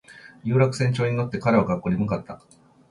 有楽町線に乗って彼は学校に向かった